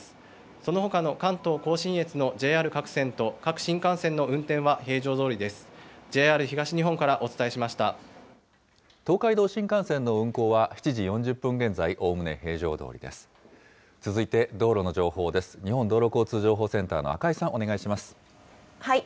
そのほかの関東甲信越のＪＲ各線と各新幹線の運転は平常どおりです。